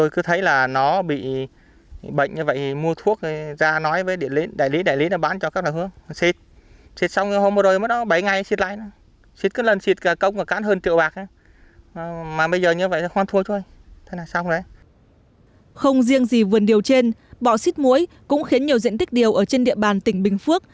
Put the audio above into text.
không riêng gì vườn điều trên bọ xít mũi cũng khiến nhiều diện tích điều ở trên địa bàn tỉnh bình phước